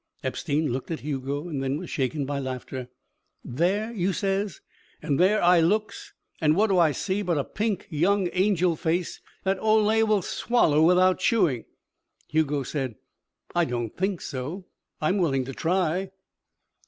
Epstein looked at Hugo and then was shaken by laughter. "There, you says, and there I looks and what do I see but a pink young angel face that Ole would swallow without chewing." Hugo said: "I don't think so. I'm willing to try."